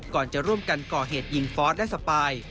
ก่อนจะร่วมกันก่อเหตุยิงฟอสและสปาย